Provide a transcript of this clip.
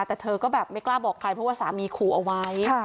แต่เธอก็แบบไม่กล้าบอกใครเพราะว่าสามีขู่เอาไว้